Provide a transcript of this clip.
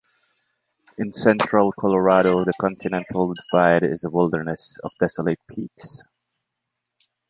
In central Colorado the continental divide is a wilderness of desolate peaks.